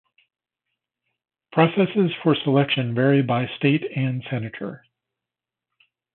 Processes for selection vary by state and senator.